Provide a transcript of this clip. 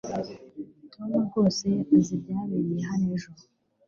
tom rwose azi ibyabereye hano ejo